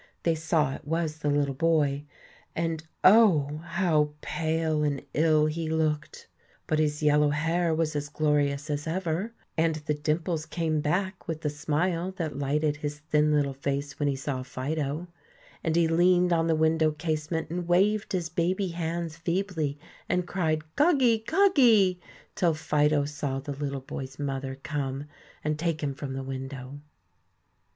They saw it was the little boy, and, oh! how pale and ill he looked. But his yellow hair was as glorious as ever, and the dimples came back with the smile that lighted his thin little face when he saw Fido; and he leaned on the window casement and waved his baby hands feebly, and cried: "Goggie! goggie!" till Fido saw the little boy's mother come and take him from the window.